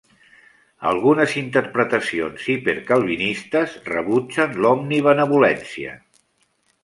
Algunes interpretacions hipercalvinistes rebutgen l'omnibenevolència.